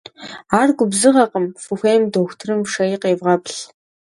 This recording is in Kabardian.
Ар губзыгъэкъым, фыхуейм дохутырым фшэи къевгъэплъ.